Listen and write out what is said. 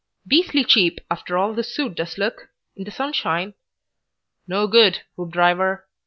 "Beastly cheap, after all, this suit does look, in the sunshine." "No good, Hoopdriver.